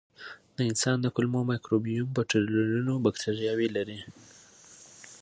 د انسان د کولمو مایکروبیوم په ټریلیونونو بکتریاوې لري.